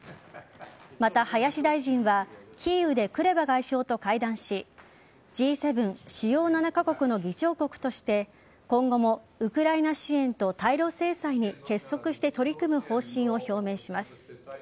また、林大臣はキーウでクレバ外相と会談しＧ７＝主要７カ国の議長国として今後もウクライナ支援と対露制裁に結束して取り組む方針を表明します。